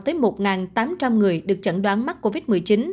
tới một tám trăm linh người được chẩn đoán mắc covid một mươi chín